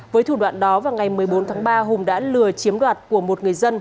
với thủ đoạn đó vào ngày một mươi bốn tháng ba hùng đã lừa chiếm đoạt của một người dân